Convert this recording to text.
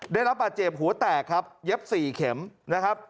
ได้รับบาดเจ็บหัวแตกครับเย็บ๔เข็มนะครับ